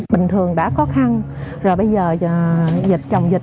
bình thường đã khó khăn rồi bây giờ dịch chồng dịch